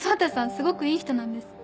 すごくいい人なんです。